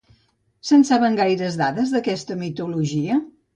Se'n saben gaires dades, d'aquesta mitologia?